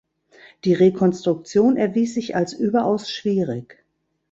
Die Rekonstruktion erwies sich als überaus schwierig.